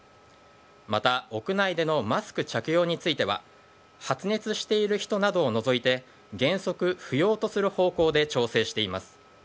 また、屋内でのマスク着用については発熱している人などを除いて原則不要とする方向で調整しています。